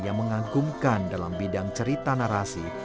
yang mengagumkan dalam bidang cerita narasi